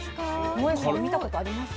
もえさん見たことあります？